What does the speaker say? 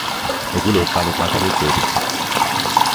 এগুলো কাল পাথরের তৈরি।